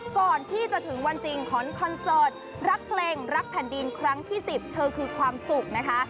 ก่อนที่จะถึงวันจริงของคอนเสิร์ตรักเพลงรักแผ่นดินครั้งที่๑๐เธอคือความสุขนะคะ